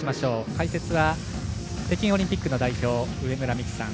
解説は、北京オリンピックの代表上村美揮さん。